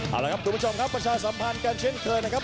เอาละครับคุณผู้ชมครับประชาสัมพันธ์กันเช่นเคยนะครับ